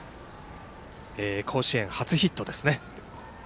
甲子園、初ヒットですね。